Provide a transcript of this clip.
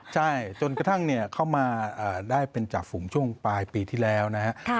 ใช่จนกระทั่งเข้ามาได้เป็นจากฝุงช่วงปลายปีที่แล้วนะฮะ